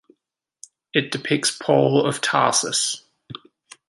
It depicts Paul of Tarsus.